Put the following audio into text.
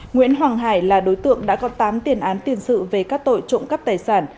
nguyễn hoàng hải là đối tượng đã có tám tiền án tiền sự về các tội trộm cắp tài sản